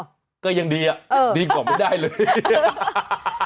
ก็ยังดีอ่ะดีกว่าไม่ได้เลย